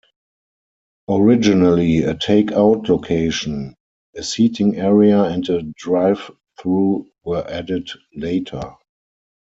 Originally a take-out location, a seating area and drive-thru were added later.